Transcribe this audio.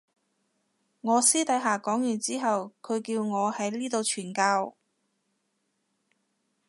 我私底下講完之後佢叫我喺呢度傳教